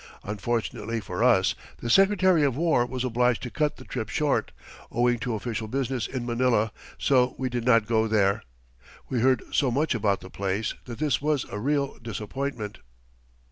Unfortunately for us, the Secretary of War was obliged to cut the trip short, owing to official business in Manila, so we did not go there. We heard so much about the place that this was a real disappointment.